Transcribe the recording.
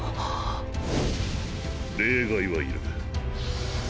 例外はいる。